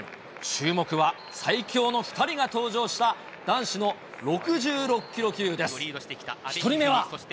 注目は最強の２人が登場した男子の６６キロ級です。